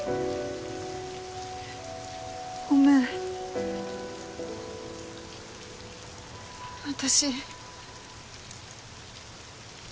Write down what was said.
ごめん私